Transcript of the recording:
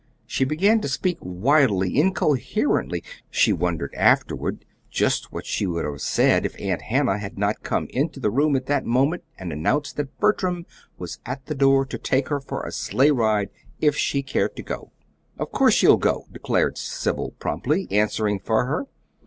She began to speak wildly, incoherently. She wondered afterward just what she would have said if Aunt Hannah had not come into the room at that moment and announced that Bertram was at the door to take her for a sleigh ride if she cared to go. "Of course she'll go," declared Cyril, promptly, answering for her.